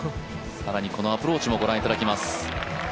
更にこのアプローチもご覧いただきます。